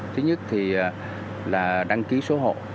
thứ nhất thì là đăng ký số hộ